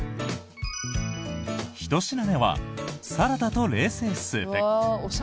１品目はサラダと冷製スープ。